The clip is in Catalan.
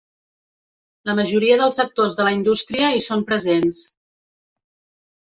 La majoria dels actors de la indústria hi són presents.